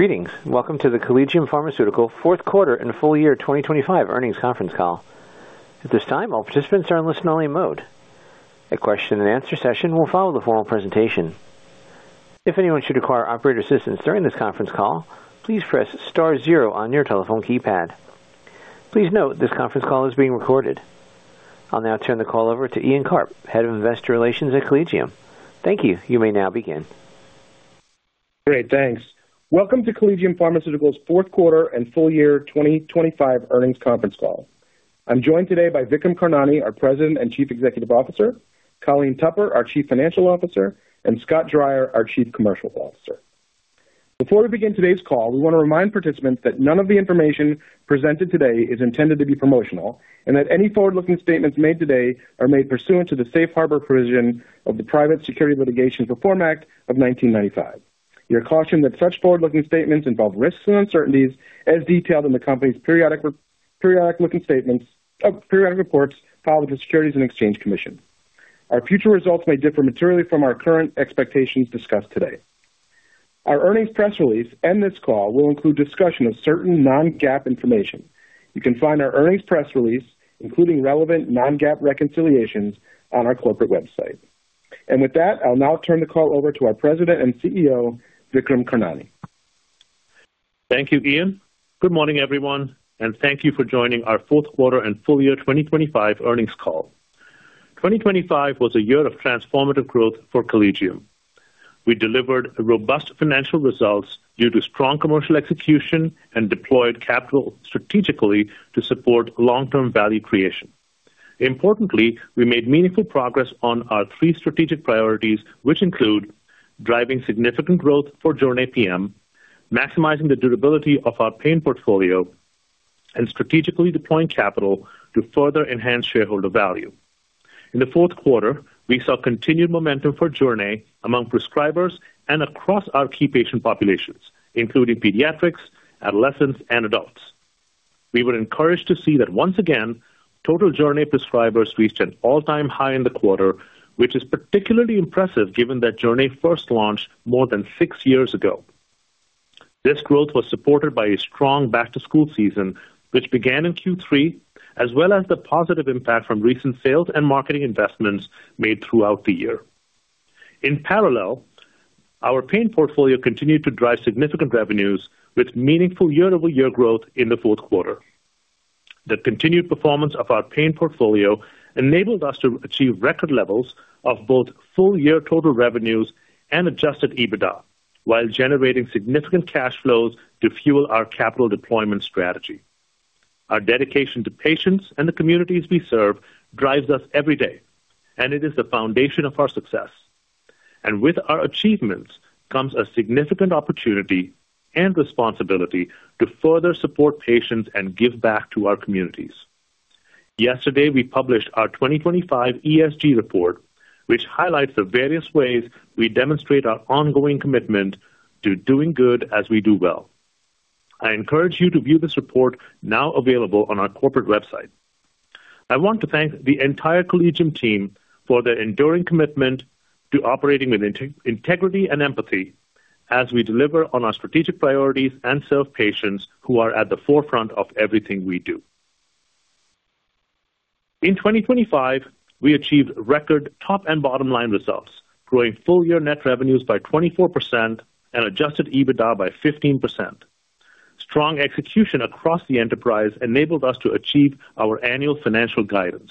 Greetings! Welcome to the Collegium Pharmaceutical fourth quarter and full year 2025 earnings conference call. At this time, all participants are in listen-only mode. A question-and-answer session will follow the formal presentation. If anyone should require operator assistance during this conference call, please press star zero on your telephone keypad. Please note, this conference call is being recorded. I'll now turn the call over to Ian Karp, Head of Investor Relations at Collegium. Thank you. You may now begin. Great, thanks. Welcome to Collegium Pharmaceutical's Q4 and full year 2025 earnings conference call. I'm joined today by Vikram Karnani, our President and Chief Executive Officer, Colleen Tupper, our Chief Financial Officer, and Scott Dreyer, our Chief Commercial Officer. Before we begin today's call, we want to remind participants that none of the information presented today is intended to be promotional, any forward-looking statements made today are made pursuant to the safe harbor provision of the Private Securities Litigation Reform Act of 1995. You're cautioned that such forward-looking statements involve risks and uncertainties as detailed in the company's periodic reports filed with the Securities and Exchange Commission. Our future results may differ materially from our current expectations discussed today. Our earnings press release and this call will include discussion of certain non-GAAP information. You can find our earnings press release, including relevant non-GAAP reconciliations, on our corporate website. With that, I'll now turn the call over to our President and CEO, Vikram Karnani. Thank you, Ian. Good morning, everyone, thank you for joining our Q4 and full year 2025 earnings call. 2025 was a year of transformative growth for Collegium. We delivered a robust financial results due to strong commercial execution and deployed capital strategically to support long-term value creation. Importantly, we made meaningful progress on our three strategic priorities, which include driving significant growth for Jornay PM, maximizing the durability of our pain portfolio, and strategically deploying capital to further enhance shareholder value. In the Q4, we saw continued momentum for Jornay among prescribers and across our key patient populations, including pediatrics, adolescents, and adults. We were encouraged to see that once again, total Jornay prescribers reached an all-time high in the quarter, which is particularly impressive given that Jornay first launched more than six years ago. This growth was supported by a strong back-to-school season, which began in Q3, as well as the positive impact from recent sales and marketing investments made throughout the year. In parallel, our pain portfolio continued to drive significant revenues with meaningful year-over-year growth in the Q4. The continued performance of our pain portfolio enabled us to achieve record levels of both full-year total revenues and adjusted EBITDA, while generating significant cash flows to fuel our capital deployment strategy. Our dedication to patients and the communities we serve drives us every day, and it is the foundation of our success. With our achievements comes a significant opportunity and responsibility to further support patients and give back to our communities. Yesterday, we published our 2025 ESG report, which highlights the various ways we demonstrate our ongoing commitment to doing good as we do well. I encourage you to view this report now available on our corporate website. I want to thank the entire Collegium team for their enduring commitment to operating with integrity and empathy as we deliver on our strategic priorities and serve patients who are at the forefront of everything we do. In 2025, we achieved record top and bottom line results, growing full-year net revenues by 24% and adjusted EBITDA by 15%. Strong execution across the enterprise enabled us to achieve our annual financial guidance.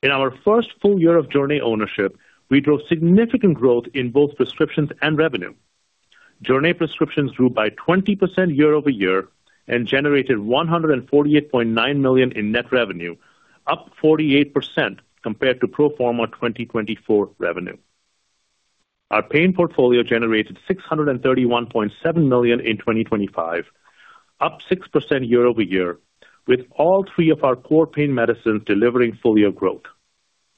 In our first full year of Jornay PM ownership, we drove significant growth in both prescriptions and revenue. Jornay PM prescriptions grew by 20% year-over-year and generated $148.9 million in net revenue, up 48% compared to pro forma 2024 revenue. Our pain portfolio generated $631.7 million in 2025, up 6% year-over-year, with all three of our core pain medicines delivering full-year growth.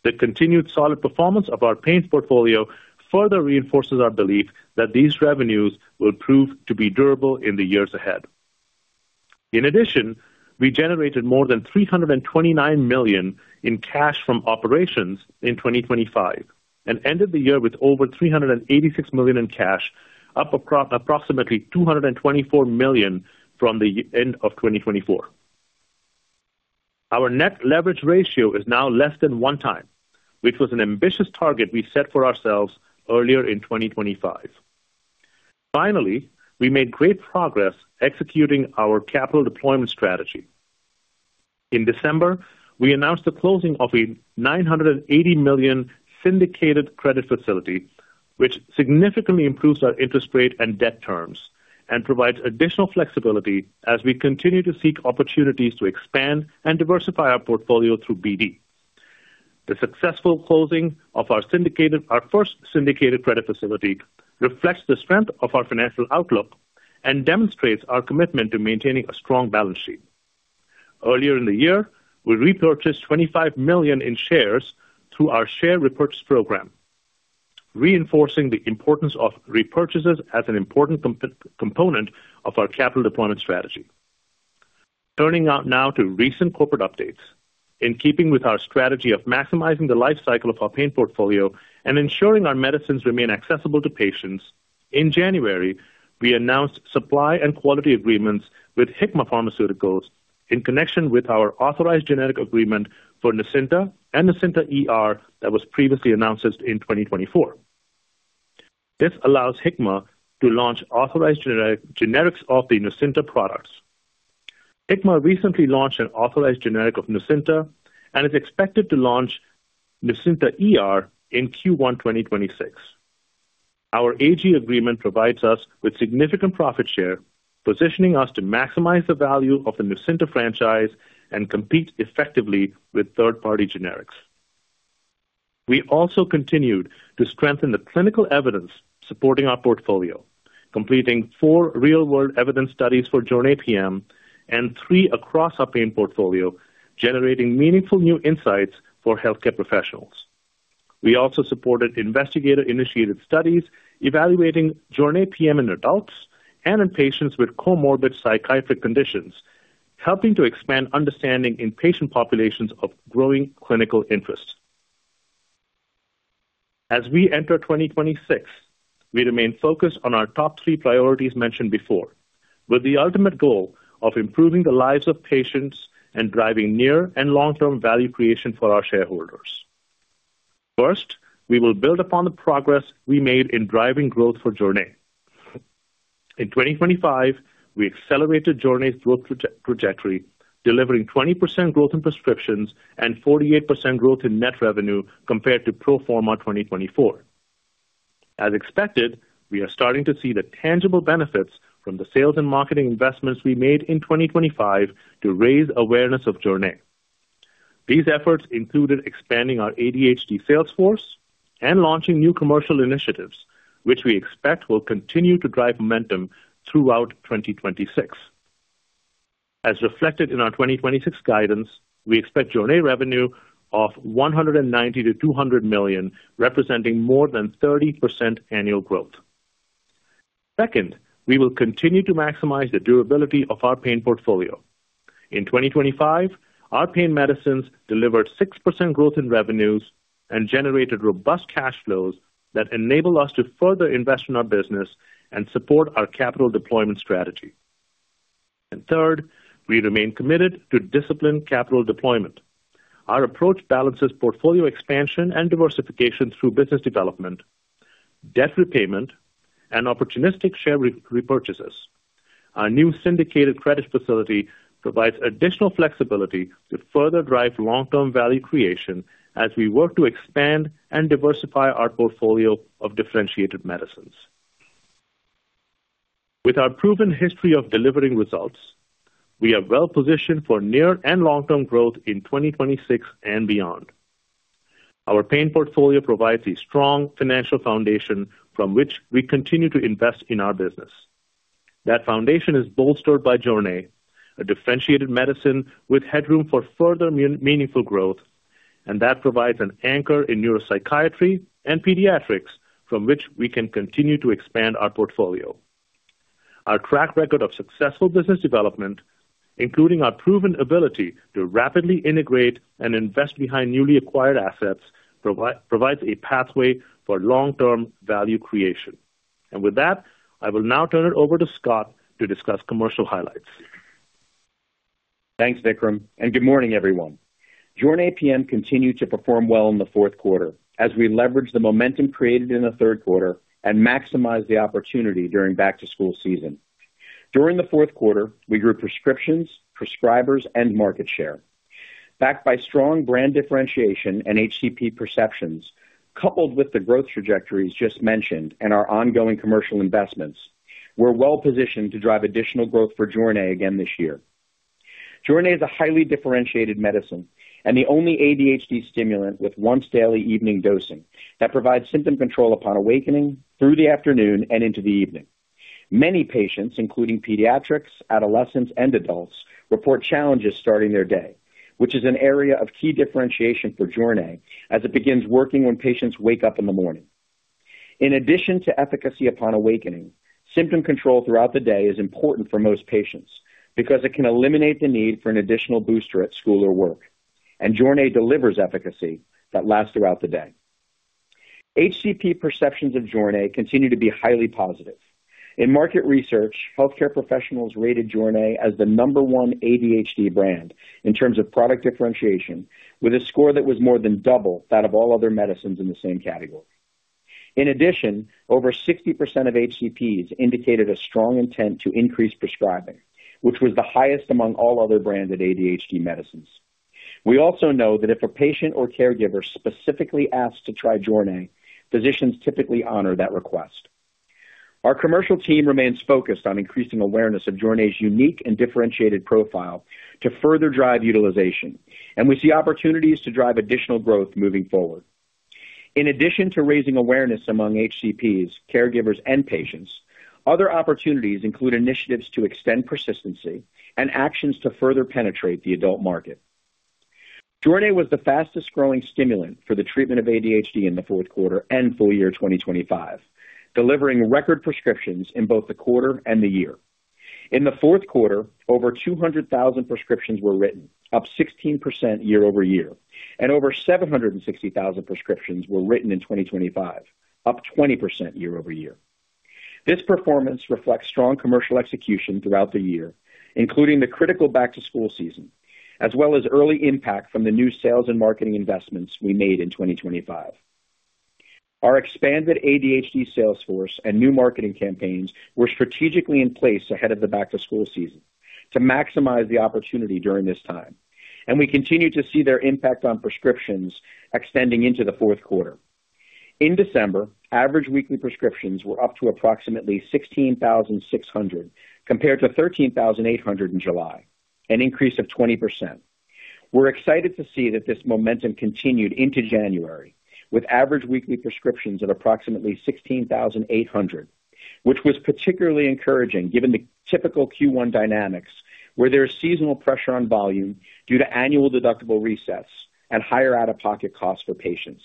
The continued solid performance of our pain portfolio further reinforces our belief that these revenues will prove to be durable in the years ahead. In addition, we generated more than $329 million in cash from operations in 2025 and ended the year with over $386 million in cash, up approximately $224 million from the end of 2024. Our net leverage ratio is now less than one time, which was an ambitious target we set for ourselves earlier in 2025. Finally, we made great progress executing our capital deployment strategy. In December, we announced the closing of a $980 million syndicated credit facility, which significantly improves our interest rate and debt terms and provides additional flexibility as we continue to seek opportunities to expand and diversify our portfolio through BD. The successful closing of our first syndicated credit facility, reflects the strength of our financial outlook and demonstrates our commitment to maintaining a strong balance sheet. Earlier in the year, we repurchased $25 million in shares through our share repurchase program, reinforcing the importance of repurchases as an important component of our capital deployment strategy. Turning out now to recent corporate updates. In keeping with our strategy of maximizing the life cycle of our pain portfolio and ensuring our medicines remain accessible to patients, in January, we announced supply and quality agreements with Hikma Pharmaceuticals in connection with our authorized generic agreement for Nucynta and Nucynta ER that was previously announced in 2024. This allows Hikma to launch authorized generics of the Nucynta products. Hikma recently launched an authorized generic of Nucynta and is expected to launch Nucynta ER in Q1 2026. Our AG agreement provides us with significant profit share, positioning us to maximize the value of the Nucynta franchise and compete effectively with third-party generics. We also continued to strengthen the clinical evidence supporting our portfolio, completing four real-world evidence studies for Jornay PM and three across our pain portfolio, generating meaningful new insights for healthcare professionals. We also supported investigator-initiated studies evaluating Jornay PM in adults and in patients with comorbid psychiatric conditions, helping to expand understanding in patient populations of growing clinical interest. As we enter 2026, we remain focused on our top three priorities mentioned before, with the ultimate goal of improving the lives of patients and driving near and long-term value creation for our shareholders. First, we will build upon the progress we made in driving growth for Jornay. In 2025, we accelerated Jornay's growth trajectory, delivering 20% growth in prescriptions and 48% growth in net revenue compared to pro forma 2024. As expected, we are starting to see the tangible benefits from the sales and marketing investments we made in 2025 to raise awareness of Jornay. These efforts included expanding our ADHD sales force and launching new commercial initiatives, which we expect will continue to drive momentum throughout 2026. As reflected in our 2026 guidance, we expect Jornay revenue of $190 million-$200 million, representing more than 30% annual growth. Second, we will continue to maximize the durability of our pain portfolio. In 2025, our pain medicines delivered 6% growth in revenues and generated robust cash flows that enable us to further invest in our business and support our capital deployment strategy. Third, we remain committed to disciplined capital deployment. Our approach balances portfolio expansion and diversification through business development, debt repayment, and opportunistic share re-repurchases. Our new syndicated credit facility provides additional flexibility to further drive long-term value creation as we work to expand and diversify our portfolio of differentiated medicines. With our proven history of delivering results, we are well positioned for near and long-term growth in 2026 and beyond. Our pain portfolio provides a strong financial foundation from which we continue to invest in our business. That foundation is bolstered by Jornay, a differentiated medicine with headroom for further meaningful growth, and that provides an anchor in neuropsychiatry and pediatrics from which we can continue to expand our portfolio. Our track record of successful business development, including our proven ability to rapidly integrate and invest behind newly acquired assets, provides a pathway for long-term value creation. With that, I will now turn it over to Scott to discuss commercial highlights. Thanks, Vikram. Good morning, everyone. Jornay PM continued to perform well in the Q4 as we leveraged the momentum created in Q3 and maximized the opportunity during back-to-school season. During the Q4, we grew prescriptions, prescribers, and market share. Backed by strong brand differentiation and HCP perceptions, coupled with the growth trajectories just mentioned and our ongoing commercial investments, we're well positioned to drive additional growth for Jornay again this year. Jornay is a highly differentiated medicine and the only ADHD stimulant with once-daily evening dosing that provides symptom control upon awakening, through the afternoon, and into the evening. Many patients, including pediatrics, adolescents, and adults, report challenges starting their day, which is an area of key differentiation for Jornay as it begins working when patients wake up in the morning. In addition to efficacy upon awakening, symptom control throughout the day is important for most patients because it can eliminate the need for an additional booster at school or work. Jornay delivers efficacy that lasts throughout the day. HCP perceptions of Jornay continue to be highly positive. In market research, healthcare professionals rated Jornay as the number one ADHD brand in terms of product differentiation, with a score that was more than double that of all other medicines in the same category. In addition, over 60% of HCPs indicated a strong intent to increase prescribing, which was the highest among all other branded ADHD medicines. We also know that if a patient or caregiver specifically asks to try Jornay, physicians typically honor that request. Our commercial team remains focused on increasing awareness of Jornay's unique and differentiated profile to further drive utilization. We see opportunities to drive additional growth moving forward. In addition to raising awareness among HCPs, caregivers, and patients, other opportunities include initiatives to extend persistency and actions to further penetrate the adult market. Jornay was the fastest-growing stimulant for the treatment of ADHD in Q4 and full year 2025, delivering record prescriptions in both the quarter and the year. In the Q4, over 200,000 prescriptions were written, up 16% year-over-year, and over 760,000 prescriptions were written in 2025, up 20% year-over-year. This performance reflects strong commercial execution throughout the year, including the critical back-to-school season, as well as early impact from the new sales and marketing investments we made in 2025. Our expanded ADHD sales force and new marketing campaigns were strategically in place ahead of the back-to-school season to maximize the opportunity during this time. We continue to see their impact on prescriptions extending into the Q4. In December, average weekly prescriptions were up to approximately 16,600, compared to 13,800 in July, an increase of 20%. We're excited to see that this momentum continued into January, with average weekly prescriptions of approximately 16,800, which was particularly encouraging given the typical Q1 dynamics, where there is seasonal pressure on volume due to annual deductible resets and higher out-of-pocket costs for patients.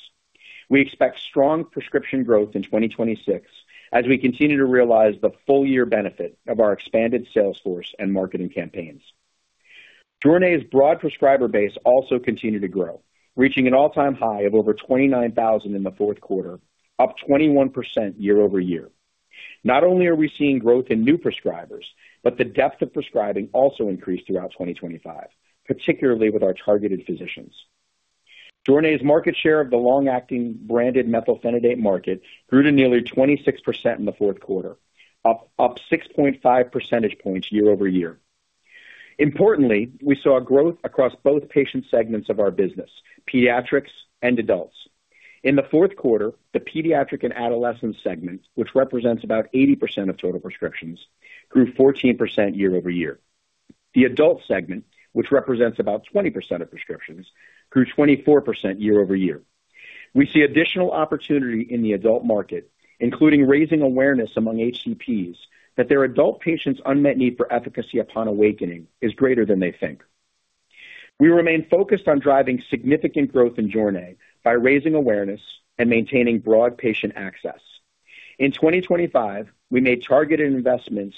We expect strong prescription growth in 2026 as we continue to realize the full year benefit of our expanded sales force and marketing campaigns. Jornay's broad prescriber base also continued to grow, reaching an all-time high of over 29,000 in the Q4, up 21% year-over-year. Not only are we seeing growth in new prescribers, but the depth of prescribing also increased throughout 2025, particularly with our targeted physicians. Jornay's market share of the long-acting branded methylphenidate market grew to nearly 26% in the Q4, up 6.5 percentage points year-over-year. Importantly, we saw growth across both patient segments of our business, pediatrics and adults. In the Q4, the pediatric and adolescent segment, which represents about 80% of total prescriptions, grew 14% year-over-year. The adult segment, which represents about 20% of prescriptions, grew 24% year-over-year. We see additional opportunity in the adult market, including raising awareness among HCPs, that their adult patients' unmet need for efficacy upon awakening is greater than they think. We remain focused on driving significant growth in Jornay by raising awareness and maintaining broad patient access. In 2025, we made targeted investments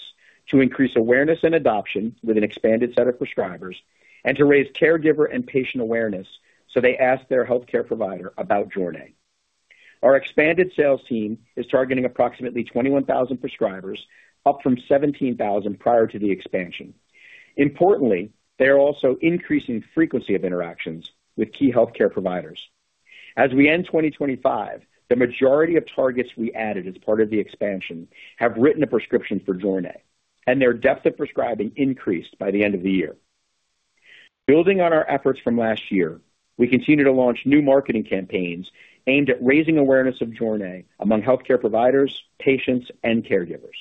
to increase awareness and adoption with an expanded set of prescribers and to raise caregiver and patient awareness, so they ask their healthcare provider about Jornay. Our expanded sales team is targeting approximately 21,000 prescribers, up from 17,000 prior to the expansion. Importantly, they are also increasing frequency of interactions with key healthcare providers. As we end 2025, the majority of targets we added as part of the expansion have written a prescription for Jornay, and their depth of prescribing increased by the end of the year. Building on our efforts from last year, we continue to launch new marketing campaigns aimed at raising awareness of Jornay among healthcare providers, patients, and caregivers.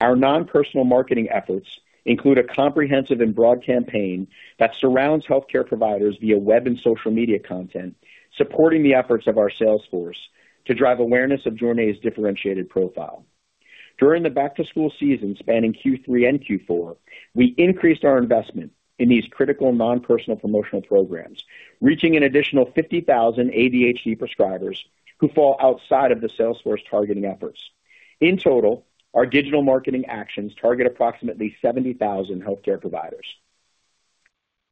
Our non-personal marketing efforts include a comprehensive and broad campaign that surrounds healthcare providers via web and social media content, supporting the efforts of our sales force to drive awareness of Jornay's differentiated profile. During the back-to-school season, spanning Q3 and Q4, we increased our investment in these critical non-personal promotional programs, reaching an additional 50,000 ADHD prescribers who fall outside of the sales force targeting efforts. In total, our digital marketing actions target approximately 70,000 healthcare providers.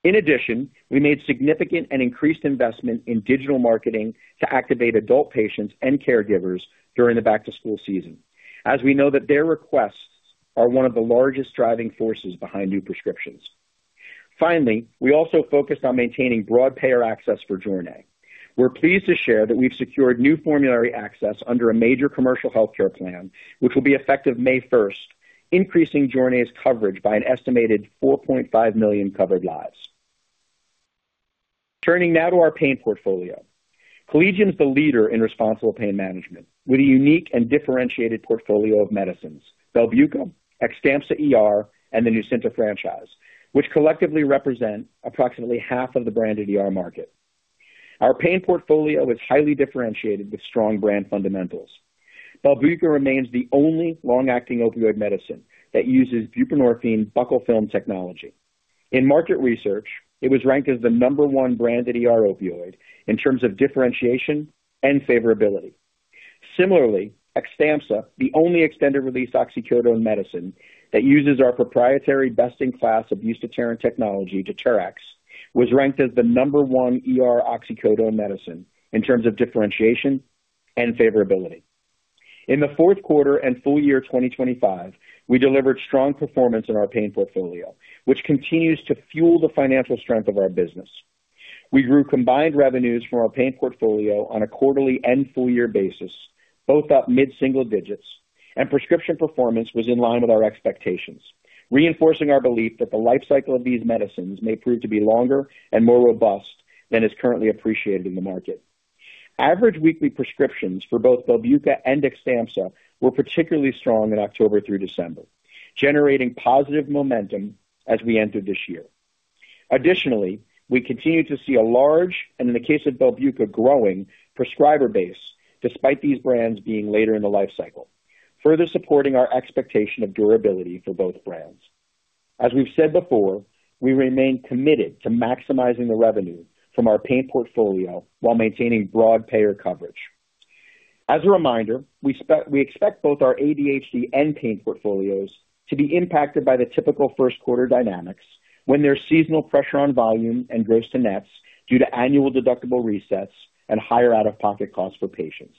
We made significant and increased investment in digital marketing to activate adult patients and caregivers during the back-to-school season, as we know that their requests are one of the largest driving forces behind new prescriptions. We also focused on maintaining broad payer access for Jornay. We're pleased to share that we've secured new formulary access under a major commercial healthcare plan, which will be effective May first, increasing Jornay's coverage by an estimated 4.5 million covered lives. Turning now to our pain portfolio. Collegium is the leader in responsible pain management, with a unique and differentiated portfolio of medicines, Belbuca, Xtampza ER, and the Nucynta franchise, which collectively represent approximately half of the branded ER market. Our pain portfolio is highly differentiated with strong brand fundamentals. Belbuca remains the only long-acting opioid medicine that uses buprenorphine buccal film technology. In market research, it was ranked as the number one branded ER opioid in terms of differentiation and favorability. Similarly, Xtampza, the only extended release oxycodone medicine that uses our proprietary best-in-class abuse-deterrent technology, DETERx, was ranked as the number one ER oxycodone medicine in terms of differentiation and favorability. In the Q4 and full year 2025, we delivered strong performance in our pain portfolio, which continues to fuel the financial strength of our business. We grew combined revenues from our pain portfolio on a quarterly and full year basis, both up mid single digits, and prescription performance was in line with our expectations, reinforcing our belief that the life cycle of these medicines may prove to be longer and more robust than is currently appreciated in the market. Average weekly prescriptions for both Belbuca and Xtampza were particularly strong in October through December, generating positive momentum as we enter this year. Additionally, we continue to see a large, and in the case of Belbuca, growing prescriber base, despite these brands being later in the life cycle. further supporting our expectation of durability for both brands. We've said before, we remain committed to maximizing the revenue from our pain portfolio while maintaining broad payer coverage. A reminder, we expect both our ADHD and pain portfolios to be impacted by the typical Q1 dynamics, when there's seasonal pressure on volume and gross to nets due to annual deductible resets and higher out-of-pocket costs for patients.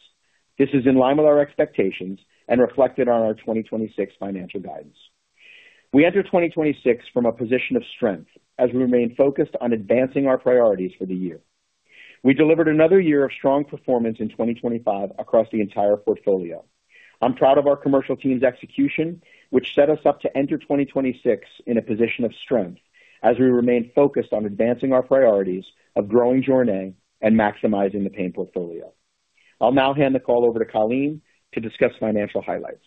This is in line with our expectations and reflected on our 2026 financial guidance. We enter 2026 from a position of strength as we remain focused on advancing our priorities for the year. We delivered another year of strong performance in 2025 across the entire portfolio. I'm proud of our commercial team's execution, which set us up to enter 2026 in a position of strength as we remain focused on advancing our priorities of growing Jornay and maximizing the pain portfolio. I'll now hand the call over to Colleen to discuss financial highlights.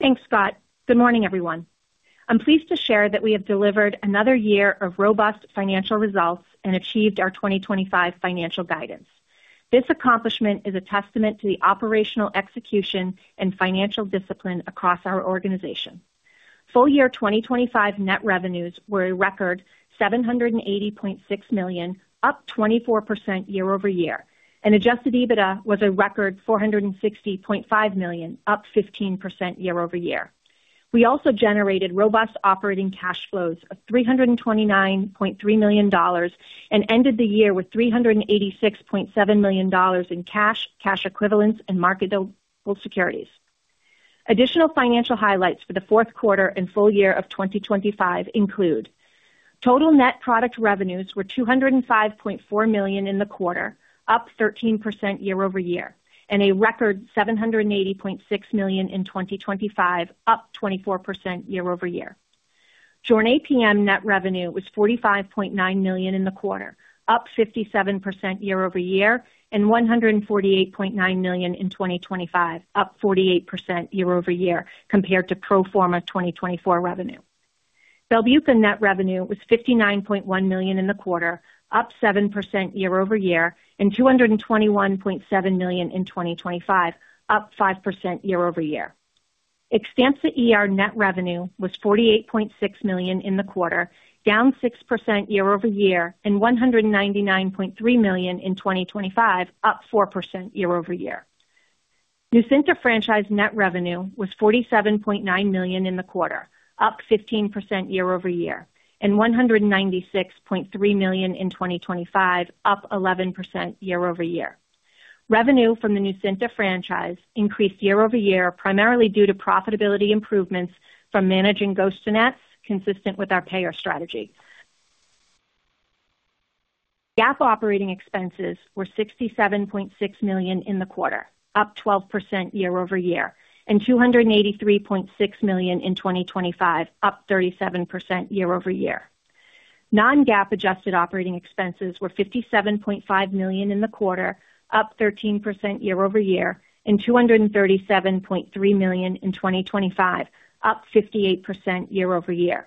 Thanks, Scott. Good morning, everyone. I'm pleased to share that we have delivered another year of robust financial results and achieved our 2025 financial guidance. This accomplishment is a testament to the operational execution and financial discipline across our organization. Full year 2025 net revenues were a record $780.6 million, up 24% year-over-year, and adjusted EBITDA was a record $460.5 million, up 15% year-over-year. We also generated robust operating cash flows of $329.3 million and ended the year with $386.7 million in cash equivalents and marketable securities. Additional financial highlights for the Q4 and full year of 2025 include: total net product revenues were $205.4 million in the quarter, up 13% year-over-year, and a record $780.6 million in 2025, up 24% year-over-year. Jornay PM net revenue was $45.9 million in the quarter, up 57% year-over-year, and $148.9 million in 2025, up 48% year-over-year, compared to pro forma 2024 revenue. Belbuca net revenue was $59.1 million in the quarter, up 7% year-over-year, and $221.7 million in 2025, up 5% year-over-year. Xtampza ER net revenue was $48.6 million in the quarter, down 6% year-over-year, and $199.3 million in 2025, up 4% year-over-year. Nucynta franchise net revenue was $47.9 million in the quarter, up 15% year-over-year, and $196.3 million in 2025, up 11% year-over-year. Revenue from the Nucynta franchise increased year-over-year, primarily due to profitability improvements from managing gross to nets, consistent with our payer strategy. GAAP operating expenses were $67.6 million in the quarter, up 12% year-over-year, and $283.6 million in 2025, up 37% year-over-year. Non-GAAP adjusted operating expenses were $57.5 million in the quarter, up 13% year-over-year, and $237.3 million in 2025, up 58% year-over-year.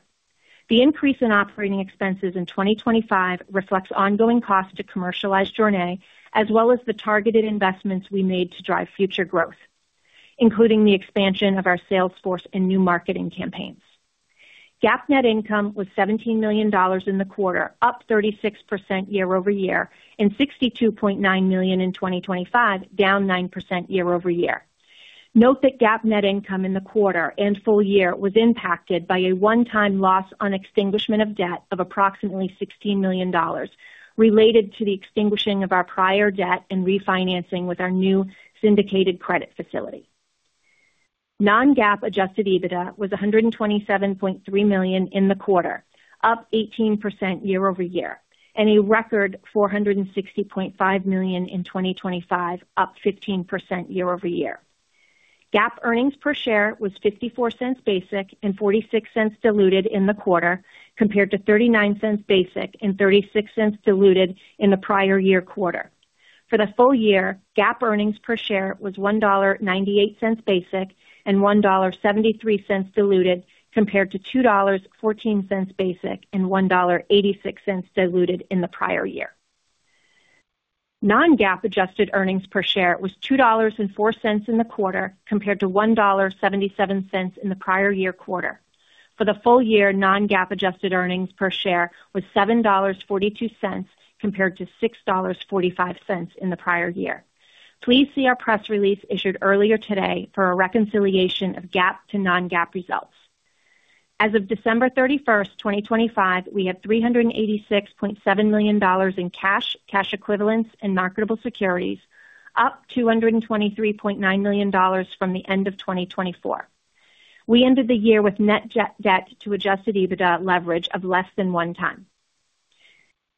The increase in operating expenses in 2025 reflects ongoing costs to commercialize Jornay, as well as the targeted investments we made to drive future growth, including the expansion of our sales force and new marketing campaigns. GAAP net income was $17 million in the quarter, up 36% year-over-year, and $62.9 million in 2025, down 9% year-over-year. Note that GAAP net income in the quarter and full year was impacted by a one-time loss on extinguishment of debt of approximately $16 million, related to the extinguishing of our prior debt and refinancing with our new syndicated credit facility. Non-GAAP adjusted EBITDA was $127.3 million in the quarter, up 18% year-over-year, and a record $460.5 million in 2025, up 15% year-over-year. GAAP earnings per share was $0.54 basic and $0.46 diluted in the quarter, compared to $0.39 basic and $0.36 diluted in the prior year quarter. For the full year, GAAP earnings per share was $1.98 basic and $1.73 diluted, compared to $2.14 basic and $1.86 diluted in the prior year. Non-GAAP adjusted earnings per share was $2.04 in the quarter, compared to $1.77 in the prior year quarter. For the full year, non-GAAP adjusted earnings per share was $7.42, compared to $6.45 in the prior year. Please see our press release issued earlier today for a reconciliation of GAAP to non-GAAP results. As of December 31st, 2025, we had $386.7 million in cash equivalents, and marketable securities, up $223.9 million from the end of 2024. We ended the year with net debt to adjusted EBITDA leverage of less than one time.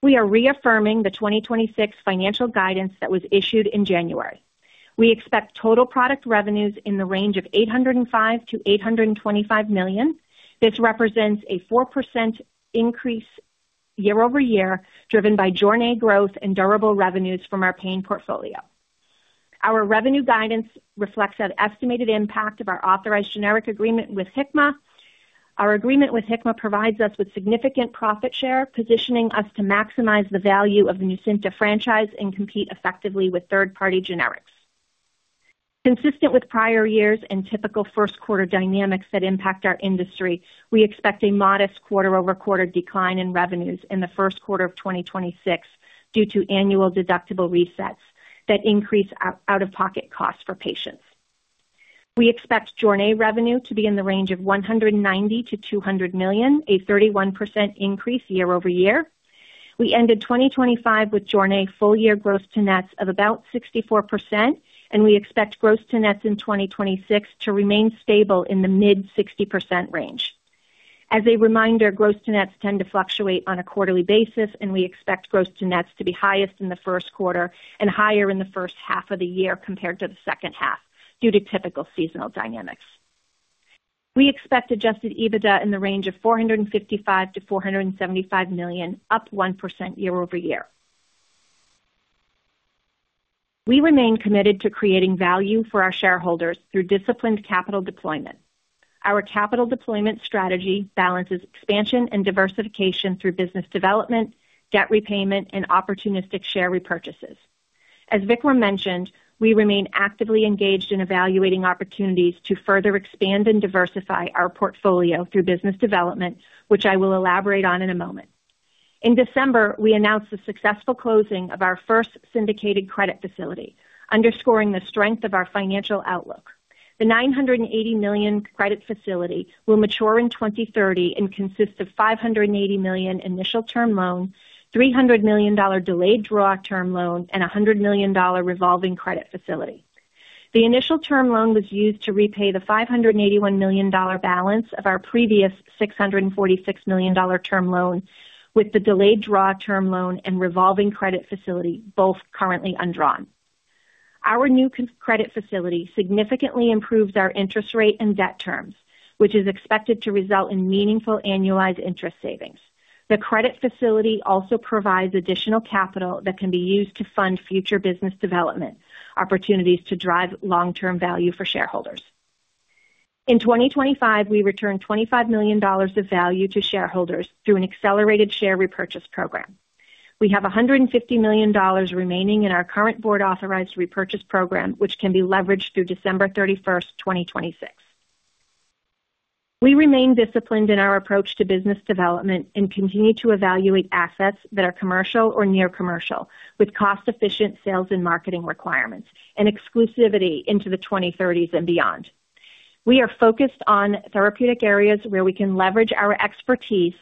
We are reaffirming the 2026 financial guidance that was issued in January. We expect total product revenues in the range of $805 million-$825 million. This represents a 4% increase year-over-year, driven by Jornay growth and durable revenues from our pain portfolio. Our revenue guidance reflects an estimated impact of our authorized generic agreement with Hikma. Our agreement with Hikma provides us with significant profit share, positioning us to maximize the value of the Nucynta franchise and compete effectively with third-party generics. Consistent with prior years and typical Q1 dynamics that impact our industry, we expect a modest quarter-over-quarter decline in revenues in the Q1 of 2026 due to annual deductible resets that increase out-of-pocket costs for patients. We expect Jornay revenue to be in the range of $190 million-$200 million, a 31% increase year-over-year. We ended 2025 with Jornay full-year gross to nets of about 64%. We expect gross to nets in 2026 to remain stable in the mid 60% range. As a reminder, gross to nets tend to fluctuate on a quarterly basis, and we expect gross to nets to be highest in the Q1 and higher in the first half of the year compared to the second half, due to typical seasonal dynamics. We expect adjusted EBITDA in the range of $455 million-$475 million, up 1% year-over-year. We remain committed to creating value for our shareholders through disciplined capital deployment. Our capital deployment strategy balances expansion and diversification through business development, debt repayment, and opportunistic share repurchases. As Vikram mentioned, we remain actively engaged in evaluating opportunities to further expand and diversify our portfolio through business development, which I will elaborate on in a moment. In December, we announced the successful closing of our first syndicated credit facility, underscoring the strength of our financial outlook. The $980 million credit facility will mature in 2030 and consists of $580 million initial term loan, $300 million delayed draw term loan, and a $100 million revolving credit facility. The initial term loan was used to repay the $581 million balance of our previous $646 million term loan, with the delayed draw term loan and revolving credit facility, both currently undrawn. Our new credit facility significantly improves our interest rate and debt terms, which is expected to result in meaningful annualized interest savings. The credit facility also provides additional capital that can be used to fund future business development opportunities to drive long-term value for shareholders. In 2025, we returned $25 million of value to shareholders through an accelerated share repurchase program. We have $150 million remaining in our current board-authorized repurchase program, which can be leveraged through December 31, 2026. We remain disciplined in our approach to business development and continue to evaluate assets that are commercial or near commercial, with cost-efficient sales and marketing requirements and exclusivity into the 2030s and beyond. We are focused on therapeutic areas where we can leverage our expertise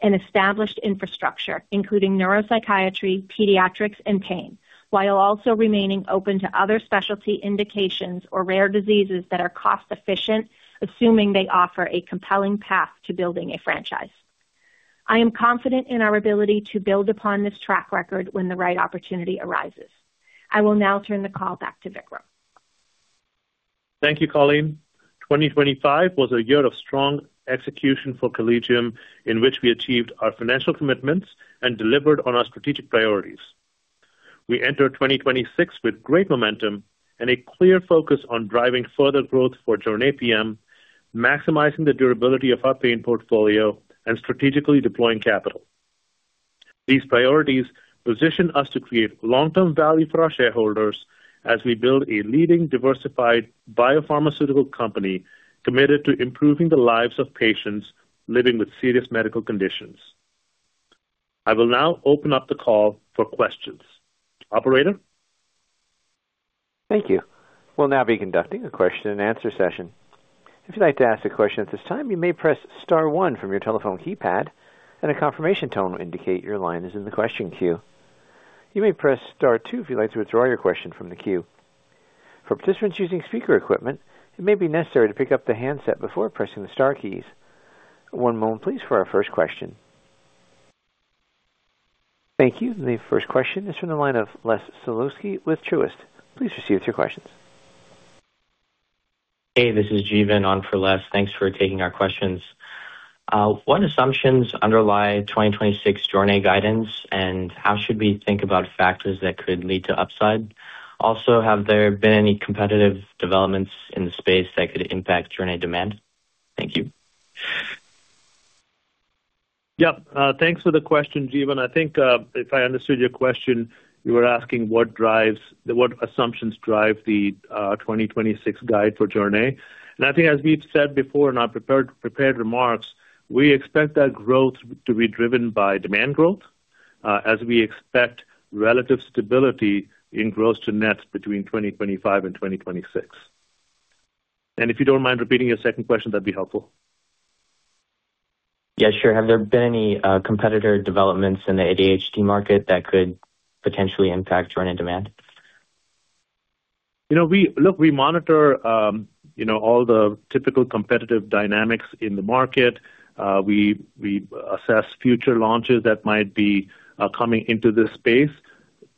and established infrastructure, including neuropsychiatry, pediatrics, and pain, while also remaining open to other specialty indications or rare diseases that are cost efficient, assuming they offer a compelling path to building a franchise. I am confident in our ability to build upon this track record when the right opportunity arises. I will now turn the call back to Vikram. Thank you, Colleen. 2025 was a year of strong execution for Collegium, in which we achieved our financial commitments and delivered on our strategic priorities. We enter 2026 with great momentum and a clear focus on driving further growth for Jornay PM, maximizing the durability of our pain portfolio, and strategically deploying capital. These priorities position us to create long-term value for our shareholders as we build a leading, diversified biopharmaceutical company committed to improving the lives of patients living with serious medical conditions. I will now open up the call for questions. Operator? Thank you. We'll now be conducting a question and answer session. If you'd like to ask a question at this time, you may press star one from your telephone keypad, and a confirmation tone will indicate your line is in the question queue. You may press Star two if you'd like to withdraw your question from the queue. For participants using speaker equipment, it may be necessary to pick up the handset before pressing the star keys. One moment, please, for our first question. Thank you. The first question is from the line of Les Suleman with Truist. Please proceed with your questions. Hey, this is Jeevan on for Les. Thanks for taking our questions. What assumptions underlie 2026 Jornay guidance, and how should we think about factors that could lead to upside? Have there been any competitive developments in the space that could impact Jornay demand? Thank you. Yep, thanks for the question, Jeevan. I think, if I understood your question, you were asking, what assumptions drive the 2026 guide for Jornay? I think, as we've said before in our prepared remarks, we expect that growth to be driven by demand growth, as we expect relative stability in gross to nets between 2025 and 2026. If you don't mind repeating your second question, that'd be helpful. Yeah, sure. Have there been any competitor developments in the ADHD market that could potentially impact Jornay demand? You know, Look, we monitor, you know, all the typical competitive dynamics in the market. We assess future launches that might be coming into this space.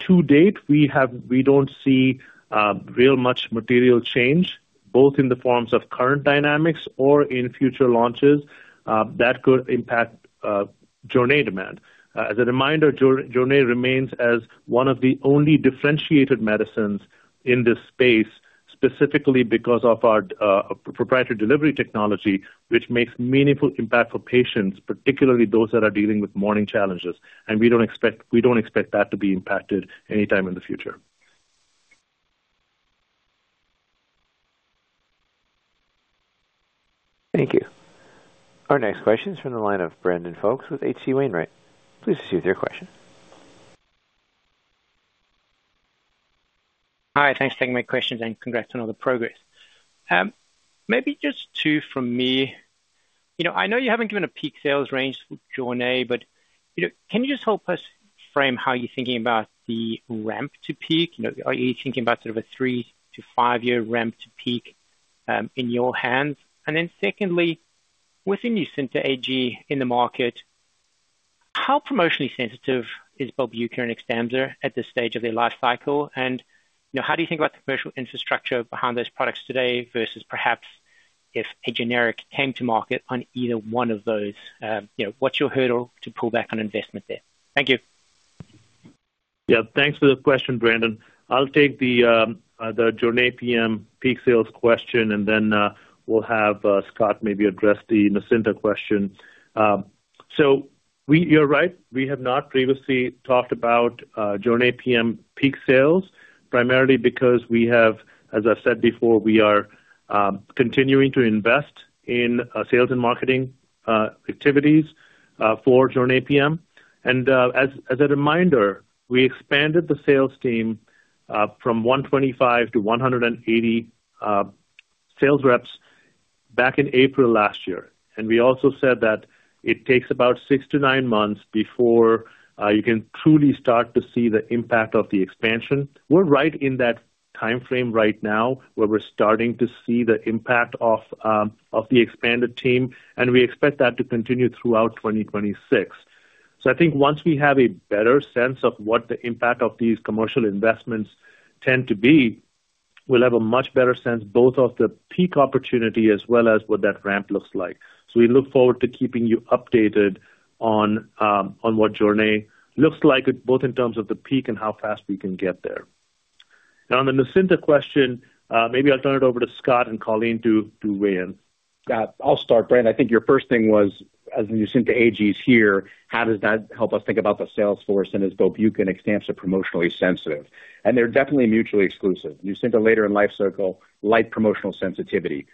To date, we don't see real much material change, both in the forms of current dynamics or in future launches that could impact Jornay demand. As a reminder, Jornay remains as one of the only differentiated medicines in this space, specifically because of our proprietary delivery technology, which makes meaningful impact for patients, particularly those that are dealing with morning challenges. We don't expect that to be impacted anytime in the future. Thank you. Our next question is from the line of Brandon Folkes with H.C. Wainwright. Please proceed with your question. Hi, thanks for taking my questions, and congrats on all the progress. Maybe just two from me. You know, I know you haven't given a peak sales range for Jornay, but, you know, can you just help us frame how you're thinking about the ramp to peak? You know, are you thinking about sort of a three- to five-year ramp to peak in your hands? Secondly, within Nucynta AG in the market, how promotionally sensitive is Belbuca and Xtampza at this stage of their life cycle? You know, how do you think about the commercial infrastructure behind those products today versus perhaps if a generic came to market on either one of those? You know, what's your hurdle to pull back on investment there? Thank you. Yeah, thanks for the question, Brandon. I'll take the Jornay PM peak sales question, and then we'll have Scott maybe address the Nucynta question. You're right. We have not previously talked about Jornay PM peak sales, primarily because we have, as I said before, we are continuing to invest in sales and marketing activities for Jornay PM. As a reminder, we expanded the sales team from 125 to 180 sales reps back in April last year, and we also said that it takes about six to nine months before you can truly start to see the impact of the expansion. We're right in that timeframe right now, where we're starting to see the impact of the expanded team, and we expect that to continue throughout 2026. I think once we have a better sense of what the impact of these commercial investments tend to be, we'll have a much better sense, both of the peak opportunity as well as what that ramp looks like. We look forward to keeping you updated on what Jornay looks like, both in terms of the peak and how fast we can get there. Now, on the Nucynta question, maybe I'll turn it over to Scott and Colleen to weigh in. I'll start, Brandon. I think your first thing was, as Nucynta AG is here, how does that help us think about the sales force and is Belbuca and Xtampza promotionally sensitive? They're definitely mutually exclusive. Nucynta, later in life cycle, light promotional sensitivity.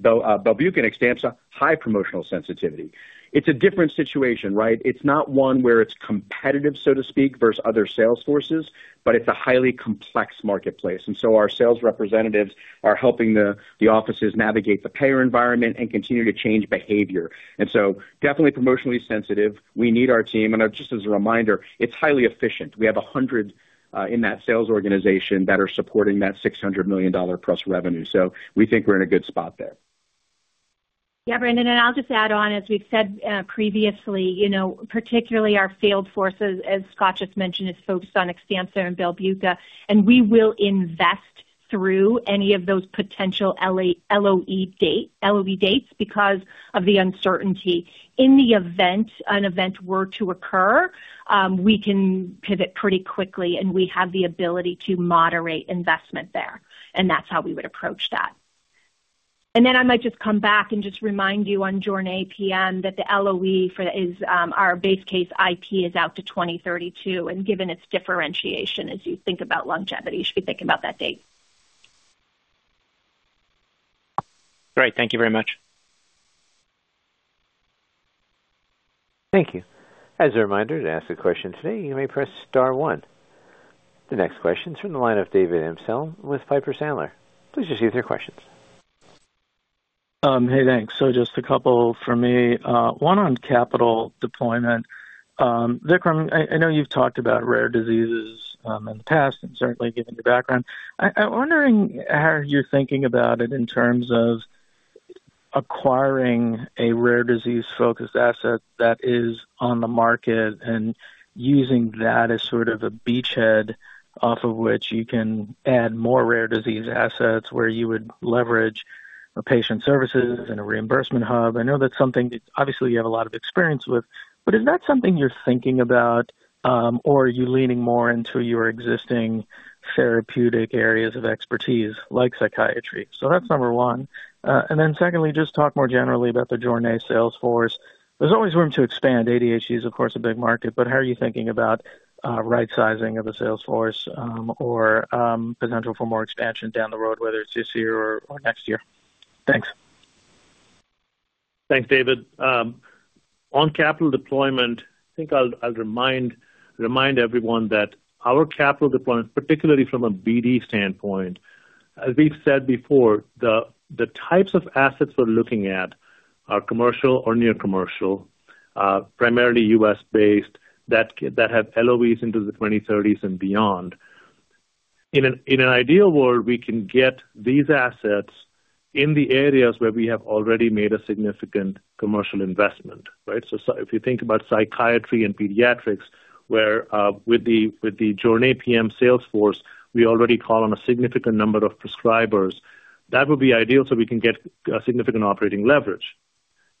Belbuca and Xtampza, high promotional sensitivity. It's a different situation, right? It's not one where it's competitive, so to speak, versus other sales forces, but it's a highly complex marketplace, our sales representatives are helping the offices navigate the payer environment and continue to change behavior. Definitely promotionally sensitive. We need our team, and just as a reminder, it's highly efficient. We have 100 in that sales organization that are supporting that $600 million plus revenue. We think we're in a good spot there. Yeah, Brandon, I'll just add on, as we've said previously, you know, particularly our field forces, as Scott just mentioned, is focused on Xtampza and Belbuca, and we will invest through any of those potential LOE dates because of the uncertainty. In the event an event were to occur, we can pivot pretty quickly, and we have the ability to moderate investment there, and that's how we would approach that. I might just come back and just remind you on Jornay PM that the LOE for is our base case IP is out to 2032, and given its differentiation, as you think about longevity, you should be thinking about that date. Great. Thank you very much. Thank you. As a reminder, to ask a question today, you may press star one. The next question is from the line of David Amsellem with Piper Sandler. Please just proceed with your questions. Hey, thanks. Just a couple from me. One, on capital deployment. Vikram, I know you've talked about rare diseases in the past and certainly given your background. I'm wondering how you're thinking about it in terms of acquiring a rare disease focused asset that is on the market and using that as sort of a beachhead off of which you can add more rare disease assets, where you would leverage a patient services and a reimbursement hub. I know that's something that obviously you have a lot of experience with, but is that something you're thinking about, or are you leaning more into your existing therapeutic areas of expertise, like psychiatry? That's number one. Secondly, just talk more generally about the Jornay sales force. There's always room to expand. ADHD is, of course, a big market, but how are you thinking about right sizing of the sales force, or potential for more expansion down the road, whether it's this year or next year? Thanks. Thanks, David. On capital deployment, I think I'll remind everyone that our capital deployment, particularly from a BD standpoint, as we've said before, the types of assets we're looking at are commercial or near commercial, primarily U.S. based, that have LOEs into the 2030s and beyond. In an ideal world, we can get these assets in the areas where we have already made a significant commercial investment, right? If you think about psychiatry and pediatrics, where with the Jornay PM sales force, we already call on a significant number of prescribers. That would be ideal so we can get significant operating leverage.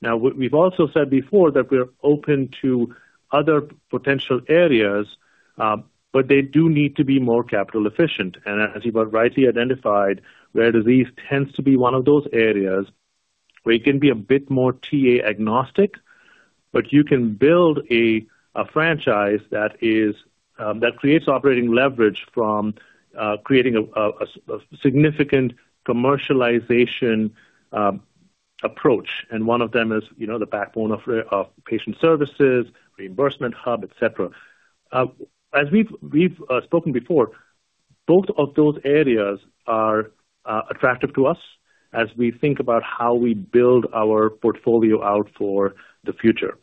We've also said before that we are open to other potential areas, but they do need to be more capital efficient. As you've rightly identified, rare disease tends to be one of those areas where you can be a bit more TA agnostic, but you can build a franchise that is that creates operating leverage from creating a significant commercialization approach. One of them is, you know, the backbone of patient services, reimbursement hub, et cetera. As we've spoken before, both of those areas are attractive to us as we think about how we build our portfolio out for the future.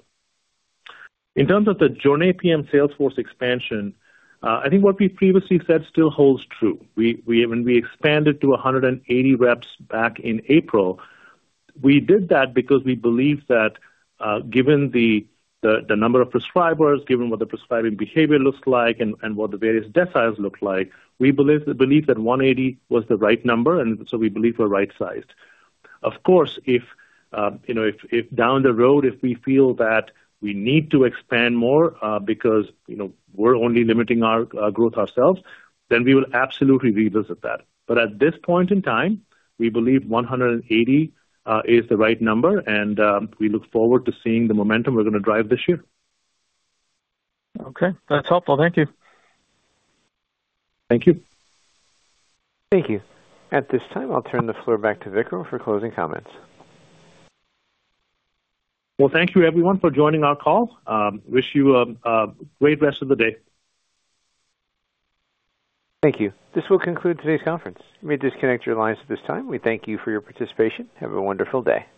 In terms of the Jornay PM salesforce expansion, I think what we previously said still holds true. When we expanded to 180 reps back in April, we did that because we believed that, given the number of prescribers, given what the prescribing behavior looks like and what the various deciles look like, we believe that 180 was the right number, and so we believe we're right sized. Of course, if, you know, if down the road, if we feel that we need to expand more, because, you know, we're only limiting our growth ourselves, then we will absolutely revisit that. At this point in time, we believe 180 is the right number, and we look forward to seeing the momentum we're going to drive this year. Okay. That's helpful. Thank you. Thank you. Thank you. At this time, I'll turn the floor back to Vikram for closing comments. Thank you, everyone, for joining our call. Wish you a great rest of the day. Thank you. This will conclude today's conference. You may disconnect your lines at this time. We thank you for your participation. Have a wonderful day.